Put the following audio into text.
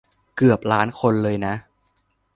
เกือบล้านคนเลยนะ